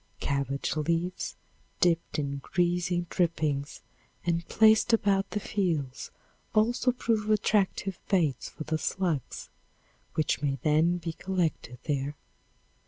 Cabbage leaves dipped in grease drippings and placed about the fields also prove attractive bait for the slugs, which may then be collected there.